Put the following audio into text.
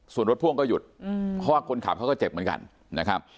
ส่วนรถพ่วงก็หยุดเพราะว่าคนขับเขาก็เจ็บเหมือนกันนะครับ